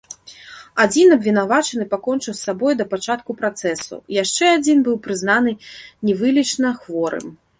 Адзін абвінавачаны пакончыў з сабой да пачатку працэсу, яшчэ адзін быў прызнаны невылечна хворым.